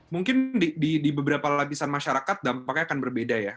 mungkin di beberapa lapisan masyarakat dampaknya akan berbeda ya